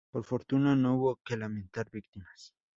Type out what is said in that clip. Por fortuna no hubo que lamentar víctimas.